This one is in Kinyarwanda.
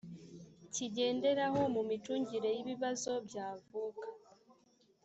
kigenderaho mu micungire y ibibazo byavuka